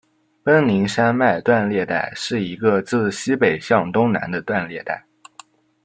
奔宁山脉断裂带是一个自西北向东南的断裂带。